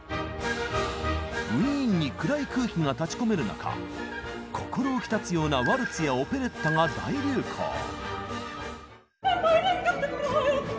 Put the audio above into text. ウィーンに暗い空気が立ちこめる中心浮き立つようなワルツやオペレッタが大流行。